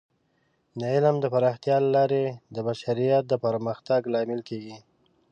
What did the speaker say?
د علم د پراختیا له لارې د بشریت د پرمختګ لامل کیږي.